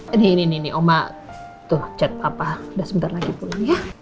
ini ini ini oma tuh chat papa udah sebentar lagi pulang ya